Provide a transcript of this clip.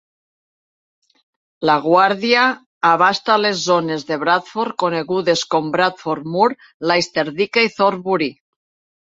La guàrdia abasta les zones de Bradford conegudes com Bradford Moor, Laisterdyke i Thornbury.